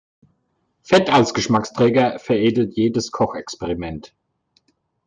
Fett als Geschmacksträger veredelt jedes Kochexperiment.